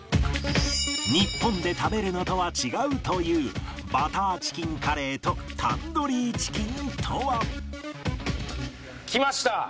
日本で食べるのとは違うというバターチキンカレーとタンドリーチキンとは？来ました！